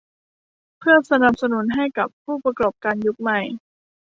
เพื่อสนับสนุนให้ผู้ประกอบการยุคใหม่